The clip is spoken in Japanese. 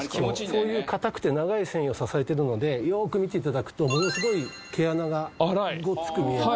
そういう硬くて長い繊維を支えてるのでよく見ていただくとものすごい毛穴がごつく見えますね。